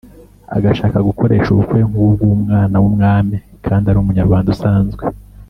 Agashaka gukoresha ubukwe nk’ubw’umwana w’umwami kandi ari Umunyarwanda usanzwe